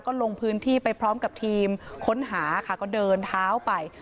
ก็ลงพื้นที่ไปพร้อมกับทีมค้นหาค่ะก็เดินเท้าไป